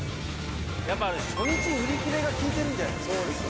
やっぱ初日売り切れが効いているんじゃないですか。